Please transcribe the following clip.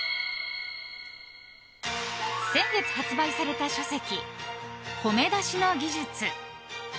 先月発売された書籍「ホメ出しの技術」。